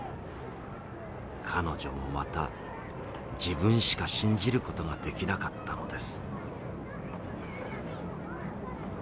彼女もまた自分しか信じる事ができなかったのです」。